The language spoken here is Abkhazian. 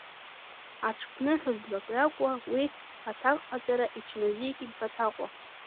Аҽԥныҳәаз длакҩакуа уи аҭакҟаҵара иҽыназикит Баҭаҟәа.